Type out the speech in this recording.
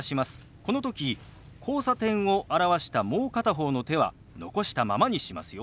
この時「交差点」を表したもう片方の手は残したままにしますよ。